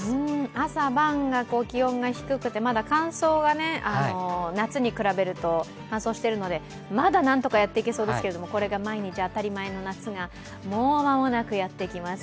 朝晩が気温が低くてまだ夏に比べると乾燥してるのでまだ何とかやっていけそうですが、これが毎日当たり前の夏がもう間もなくやってきます。